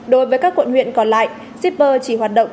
đối với các quận huyện còn lại shipper chỉ hoạt động